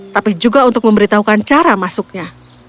tapi juga untuk memberitahukan cara masuknya